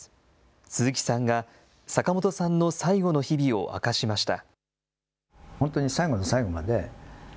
鈴木さんが坂本さんの最後の日々を明かしました。